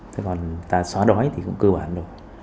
thế còn ta xóa đói thì cũng cơ bản rồi